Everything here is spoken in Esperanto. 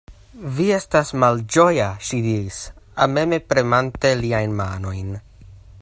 Vi estas malĝoja, ŝi diris, ameme premante liajn manojn.